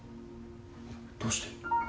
どうして？